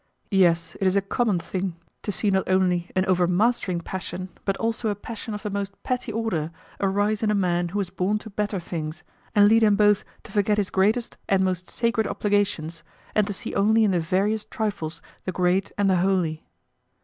Yes, it is a common thing to see not only an overmastering passion, but also a passion of the most petty order, arise in a man who was born to better things, and lead him both to forget his greatest and most sacred obligations, and to see only in the veriest trifles the Great and the Holy.